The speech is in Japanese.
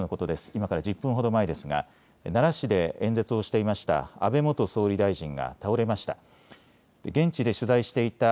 今から１０分ほど前ですが、奈良市で演説をしていました安倍元総理大臣が倒れました。